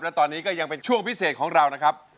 และตอนนี้ก็ยังเป็นช่วงพิเศษของเรานะครับ